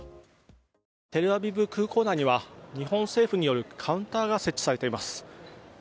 テルアビブ空港内には日本政府によるカウンターが設置されています。